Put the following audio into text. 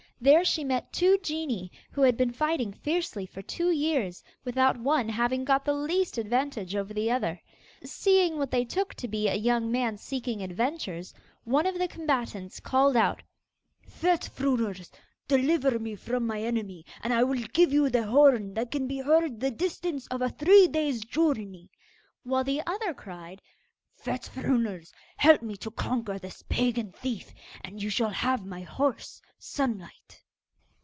There she met two Genii who had been fighting fiercely for two years, without one having got the least advantage over the other. Seeing what they took to be a young man seeking adventures, one of the combatants called out, 'Fet Fruners! deliver me from my enemy, and I will give you the horn that can be heard the distance of a three days' journey;' while the other cried, 'Fet Fruners! help me to conquer this pagan thief, and you shall have my horse, Sunlight.